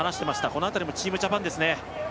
この辺りもチームジャパンですね。